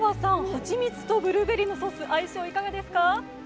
ハチミツとブルーベリーのソース相性いかがですか？